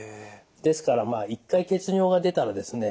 ですから一回血尿が出たらですね